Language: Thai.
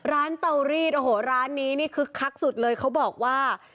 เตารีดโอ้โหร้านนี้นี่คึกคักสุดเลยเขาบอกว่า